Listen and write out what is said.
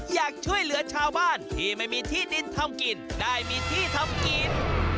อยากช่วยเหลือชาวบ้านที่ไม่มีที่ดินทำกินได้มีที่ทำกิน